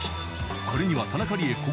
［これには田中理恵］